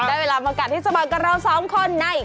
ได้เวลามากับที่สำัรกันเรา๓คนใน